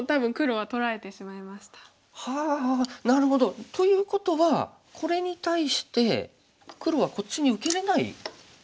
はあはあなるほど！ということはこれに対して黒はこっちに受けれない。